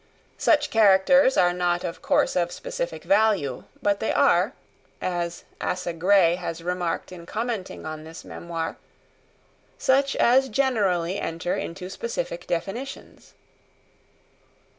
Such characters are not of course of specific value, but they are, as Asa Gray has remarked in commenting on this memoir, such as generally enter into specific definitions.